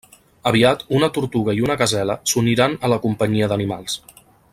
Aviat una tortuga i una gasela s'uniran a la companyia d'animals.